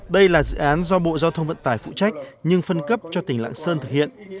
đây là dự án do bộ giao thông vận tải phụ trách nhưng phân cấp cho tỉnh lạng sơn thực hiện